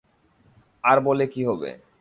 আর বলে কী হবে।